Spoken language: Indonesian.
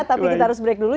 tapi kita harus break dulu